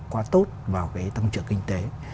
quá tốt vào cái tăng trưởng kinh tế